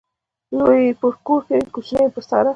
لوى يې پر کور کوي ، کوچنى يې پر سارا.